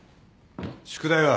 宿題は？